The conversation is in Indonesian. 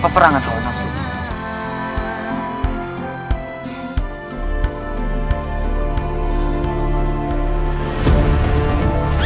pemperangan hauun nasional